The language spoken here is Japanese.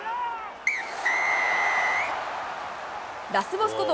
ラスボスこと